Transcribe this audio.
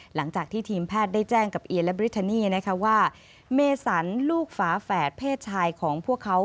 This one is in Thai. หลังจากที่ทีมแพทย์ได้แจ้งกับเอียและบริทานีนะคะว่าเมสันลูกฝาแฝดเพศชายของพวกเขา